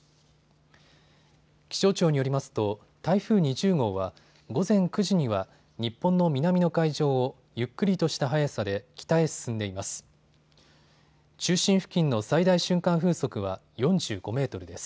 気象庁によりますと台風２０号は午前９時には日本の南の海上をゆっくりとした速さで北へ進んでいます。